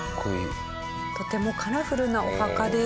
とてもカラフルなお墓です。